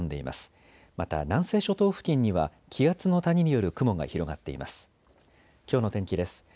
また南西諸島付近には気圧の谷による雲が広がっています。